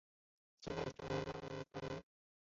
现在称为警察大厦公寓。